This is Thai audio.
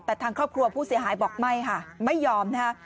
แต่ทางครอบครัวผู้เสียหายบอกไม่ค่ะไม่ยอมนะคะ